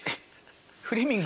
フレミング。